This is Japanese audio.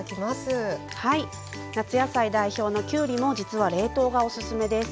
夏野菜代表のきゅうりも実は冷凍がおすすめです。